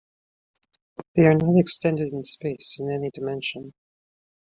They are not extended in space in any dimension.